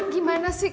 gimana sih kak